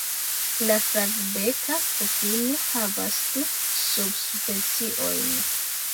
La Flavbeka pufino havas du subspeciojn.